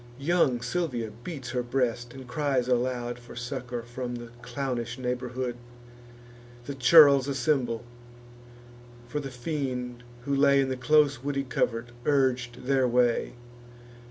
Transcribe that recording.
Young Silvia beats her breast, and cries aloud For succour from the clownish neighbourhood: The churls assemble; for the fiend, who lay In the close woody covert, urg'd their way.